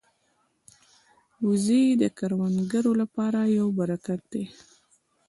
وزې د کروندګرو لپاره یو برکت دي